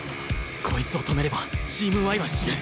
こいつを止めればチーム Ｙ は死ぬ！